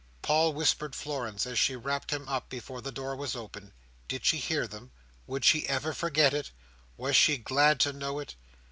Paul whispered Florence, as she wrapped him up before the door was opened, Did she hear them? Would she ever forget it? Was she glad to know it?